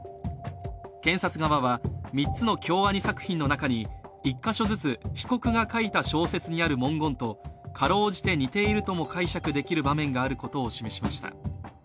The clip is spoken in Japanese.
検察側は３つの京アニ作品の中に１か所ずつ被告が書いた小説にある文言と辛うじて似ているとも解釈できる場面があることを示しました。